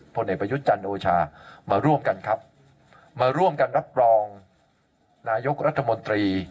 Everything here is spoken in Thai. ผลเอกประยุทธ์จันทร์โอชามาร่วมกันครับมาร่วมกันรับรองนายกรัฐมนตรี